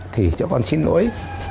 thì cho con xin lỗi